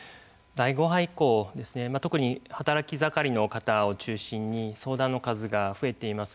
第５波以降働き盛りの方を中心に相談の数が増えています。